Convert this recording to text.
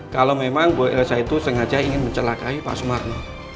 kalau memang bu elsa itu sengaja ingin mencelakai pak sumarno